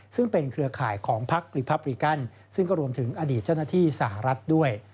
ซึ่งเป็นเครือข่ายของพักรีพับริกันซึ่งก็รวมถึงอดีตเจ้าหน้าที่สหรัฐด้วย